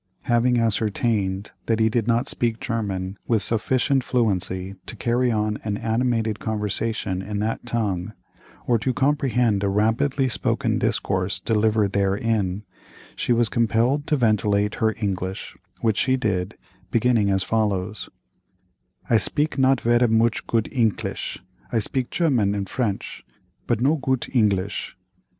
Having ascertained that he did not speak German with sufficient fluency to carry on an animated conversation in that tongue, or to comprehend a rapidly spoken discourse delivered therein, she was compelled to ventilate her English, which she did, beginning as follows: "I speak not vera mooch goot English—I speak German and French, but no goot English."